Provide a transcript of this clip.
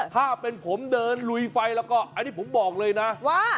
ถ้าเป็นผมเดินลุยไฟแล้วก็อันนี้ผมบอกเลยนะว่า